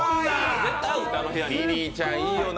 リリーちゃんいいよな